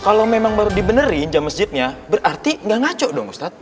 kalau memang baru dibenerin jam masjidnya berarti gak ngaco dong ustadz